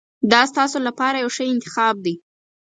دا ستاسو لپاره یو ښه انتخاب دی.